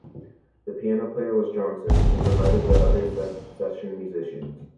The piano player was Johnson, who provided the other session musicians.